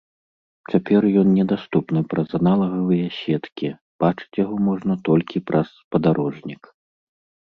Цяпер ён недаступны праз аналагавыя сеткі, бачыць яго можна толькі праз спадарожнік.